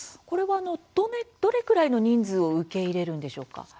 これはどれくらいの人数を受け入れるんでしょうか。